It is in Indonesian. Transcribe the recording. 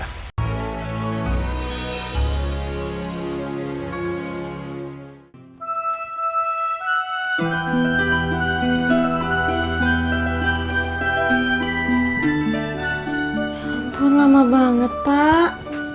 ya ampun lama banget pak